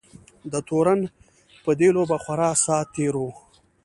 د تورن په دې لوبه خورا ساعت تېر وو.